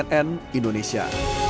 tim liputan cnn indonesia